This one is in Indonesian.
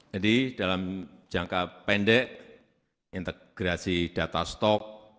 jadi dalam jangka pendek integrasi data stok